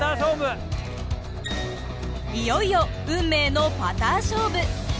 いよいよ運命のパター勝負。